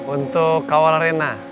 untuk kawal rena